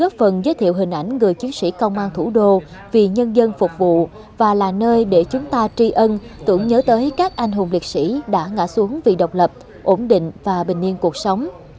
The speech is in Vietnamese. góp phần giới thiệu hình ảnh người chiến sĩ công an thủ đô vì nhân dân phục vụ và là nơi để chúng ta tri ân tưởng nhớ tới các anh hùng liệt sĩ đã ngã xuống vì độc lập ổn định và bình yên cuộc sống